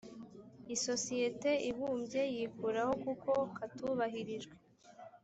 isosiyete ibumbye yikuraho kuko katubahirijwe